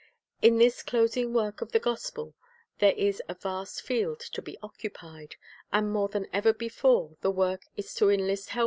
In this closing work of the gospel there is a vast field to be occupied ; and, more than ever before, the work is to enlist helpers from the common people.